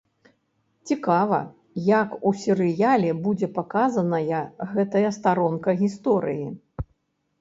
Цікава, як у серыяле будзе паказаная гэтая старонка гісторыі?